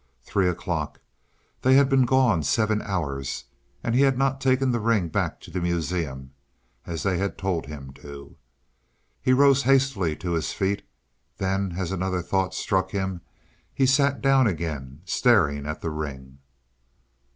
Three o'clock! They had been gone seven hours, and he had not taken the ring back to the Museum as they had told him to. He rose hastily to his feet; then as another thought struck him, he sat down again, staring at the ring.